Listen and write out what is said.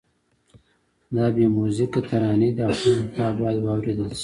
دا بې میوزیکه ترانې دي او خامخا باید واورېدل شي.